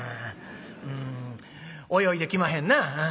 うん泳いできまへんな。